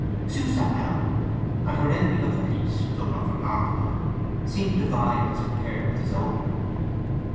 Sue sat down, and her rendering of the piece, though not remarkable, seemed divine as compared with his own.